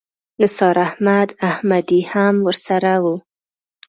نثار احمد احمدي هم ورسره و.